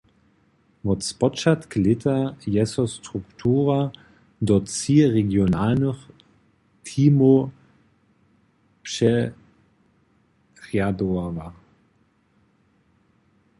Wot spočatk lěta je so struktura do tři regionalnych teamow přerjadowała.